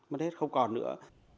mất hết không còn nữa